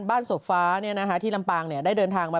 สบฟ้าที่ลำปางได้เดินทางมา